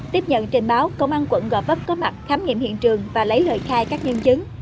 tiếp nhận trình báo công an quận gò vấp có mặt khám nghiệm hiện trường và lấy lời khai các nhân chứng